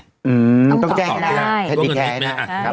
ต้องแจ้งให้ได้